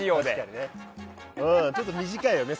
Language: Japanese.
ちょっと短いよね。